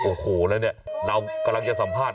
โอ้โหเรากำลังจะสัมภาษณ์